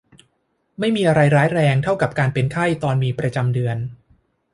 ไม่มีอะไรร้ายแรงเท่ากับการเป็นไข้ตอนมีประจำเดือน